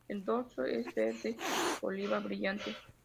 El dorso es verde oliva brillante.